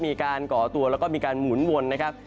ก่อตัวแล้วก็มีการหมุนวนนะครับ